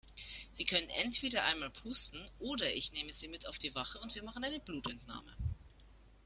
Sie können entweder einmal pusten oder ich nehme Sie mit auf die Wache und wir machen eine Blutentnahme.